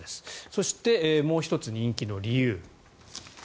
そして、もう１つ人気の理由。